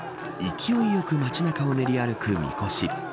勢いよく街中を練り歩くみこし。